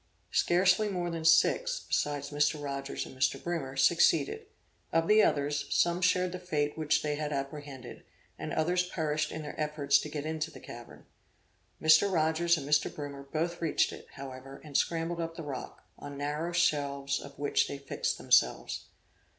Scarcely more than six, besides Mr. Rogers and Mr. Brimer, succeeded; of the others, some shared the fate which they had apprehended, and others perished in their efforts to get into the cavern. Mr. Rogers and Mr. Brimer both reached it, however, and scrambled up the rock, on narrow shelves of which they fixed themselves.